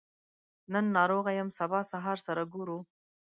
نن ناروغه يم سبا سهار سره ګورو